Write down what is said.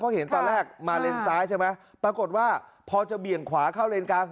เพราะเห็นตอนแรกมาเลนซ้ายใช่ไหมปรากฏว่าพอจะเบี่ยงขวาเข้าเลนกลาง